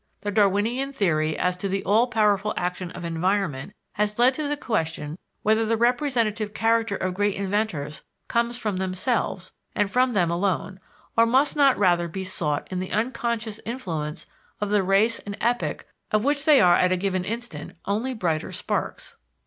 The Darwinian theory as to the all powerful action of environment has led to the question whether the representative character of great inventors comes from themselves, and from them alone, or must not rather be sought in the unconscious influence of the race and epoch of which they are at a given instant only brighter sparks.